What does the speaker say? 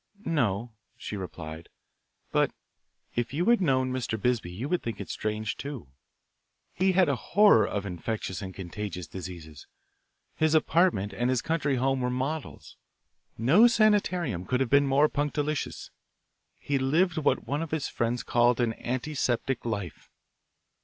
"No," she replied, "but if you had known Mr. Bisbee you would think it strange, too. He had a horror of infectious and contagious diseases. His apartment and his country home were models. No sanitarium could have been more punctilious. He lived what one of his friends called an antiseptic life.